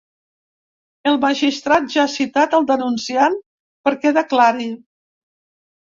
El magistrat ja ha citat el denunciant perquè declari.